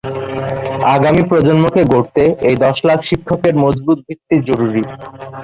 আগামী প্রজন্মকে গড়তে এই দশ লাখ শিক্ষকের মজবুত ভিত্তি জরুরি।